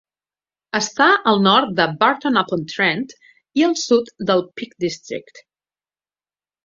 Està al nord de Burton upon Trent i al sud del Peak District.